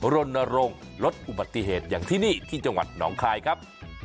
รณรงค์ลดอุบัติเหตุอย่างที่นี่ที่จังหวัดหนองคายครับ